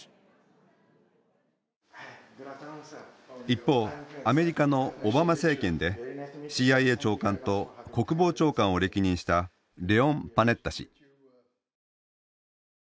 一方アメリカのオバマ政権でＣＩＡ長官と国防長官を歴任したレオン・パネッタ氏。